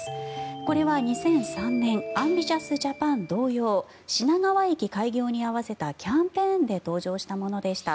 これは２００３年「ＡＭＢＩＴＩＯＵＳＪＡＰＡＮ！」同様品川駅開業に合わせたキャンペーンで登場したものでした。